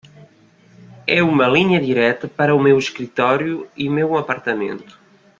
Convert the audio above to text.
É uma linha direta para o meu escritório e meu apartamento.